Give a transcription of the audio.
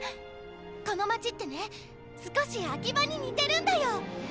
この街ってね少しアキバに似てるんだよ！